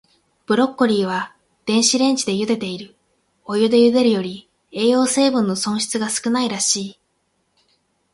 ブロッコリーは、電子レンジでゆでている。お湯でゆでるより、栄養成分の損失が少ないらしい。